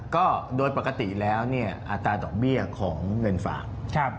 ก็โดยปกติแล้วเนี่ยอัตราดอกเบี้ยของเงินฝาก